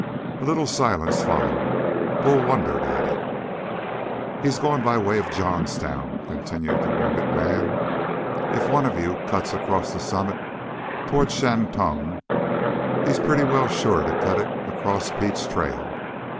A little silence followed. Bull wondered at it. "He's gone by way of Johnstown," continued the wounded man. "If one of you cuts across the summit toward Shantung he's pretty sure to cut in across Pete's trail.